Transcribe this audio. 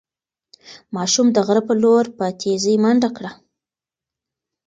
ماشوم د غره په لور په تېزۍ منډه کړه.